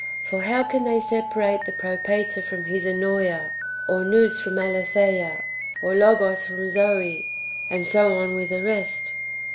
For how can they separate the Propator from his Ennosa, or Nous from Aletheia, or Logos from Zoe, and so on with the rest